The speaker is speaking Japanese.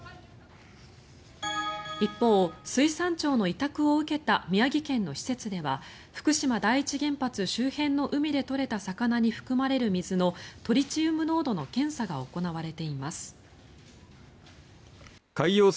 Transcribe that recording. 一方、水産庁の委託を受けた宮城県の施設では福島第一原発周辺の海で取れた魚に含まれる水のトリチウム濃度の検査が行われています。